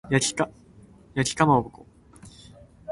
焼きかまぼこ